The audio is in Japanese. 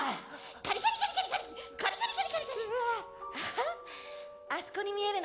カリカリカリカリカリカリ。